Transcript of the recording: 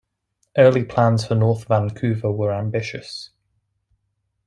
Early plans for North Vancouver were ambitious.